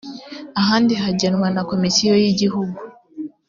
ahandi hagenwa na komisiyo y’ igihugu.